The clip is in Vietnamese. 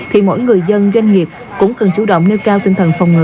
thì mỗi người dân doanh nghiệp cũng cần chủ động nêu cao tinh thần phòng ngừa